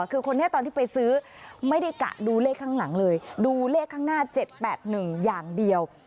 คือคนนี้ตอนที่ไปซื้อไม่ได้กะดูเลขข้างหลังเลยดูเลขข้างหน้า๗๘๑อย่างเดียว